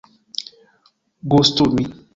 gustumi